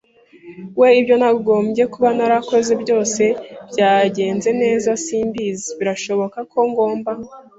we. Ibyo nagombye kuba narakoze byose byagenze neza simbizi. Birashoboka ko ngomba